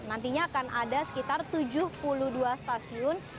nantinya akan ada sekitar tujuh puluh dua stasiun